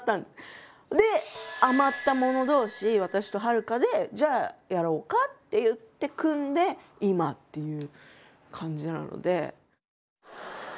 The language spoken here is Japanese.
で余った者同士私とはるかでじゃあやろうかって言って組んで今っていう感じなので。